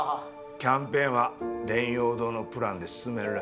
キャンペーンは電陽堂のプランで進めるらしい。